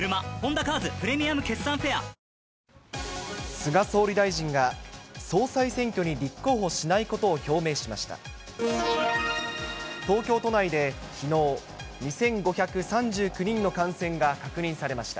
菅総理大臣が、総裁選挙に立候補しないことを表明しました。